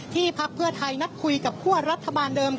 พักเพื่อไทยนัดคุยกับคั่วรัฐบาลเดิม